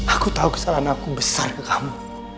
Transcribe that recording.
aku tahu kesalahan aku besar ke kamu